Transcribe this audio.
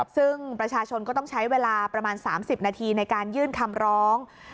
ซึ่งประชาชนก็ต้องใช้เวลาประมาณ๓๐นาทีในการยื่นคำร้อง